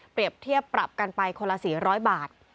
เทียบปรับกันไปคนละ๔๐๐บาท